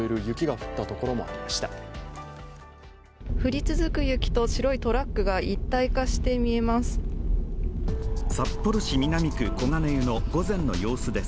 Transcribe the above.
降り続く雪と白いトラックが一体化して見えます。